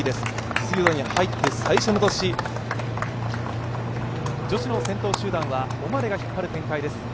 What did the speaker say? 実業団に入って最初の年、女子の先頭集団はオマレが引っ張る展開です。